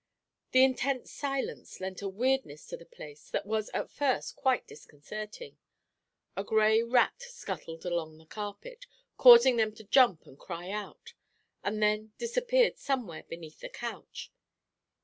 The intense silence lent a weirdness to the place that was at first quite disconcerting. A gray rat scuttled along the carpet, causing them to jump and cry out, and then disappeared somewhere beneath the couch.